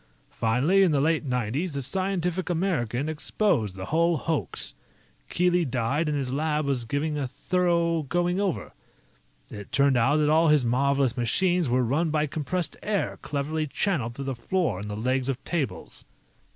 Finally, in the late nineties, The Scientific American exposed the whole hoax. Keely died, and his lab was given a thorough going over. It turned out that all his marvelous machines were run by compressed air cleverly channeled through the floor and the legs of tables."